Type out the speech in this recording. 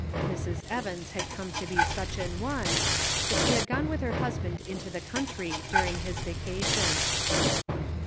Mrs. Evans had come to be such an one, but she had gone with her husband into the country during his vacation.